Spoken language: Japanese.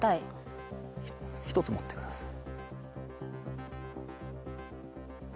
１つ持ってください。